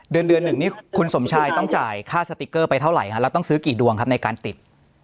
เดือนเดือนหนึ่งนี่คุณสมชายต้องจ่ายค่าสติ๊กเกอร์ไปเท่าไหร่ฮะแล้วต้องซื้อกี่ดวงครับในการติด